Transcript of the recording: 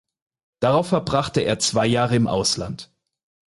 Darauf verbrachte er zwei Jahre im Ausland.